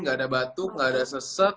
gak ada batuk gak ada sesek